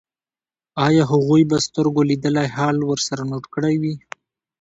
ایا هغوی به سترګو لیدلی حال ورسره نوټ کړی وي